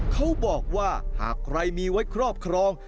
เขาบอกว่าหากใครมีไว้ครอบครอง